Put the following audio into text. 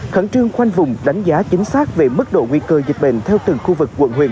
khẩn trương khoanh vùng đánh giá chính xác về mức độ nguy cơ dịch bệnh theo từng khu vực quận huyện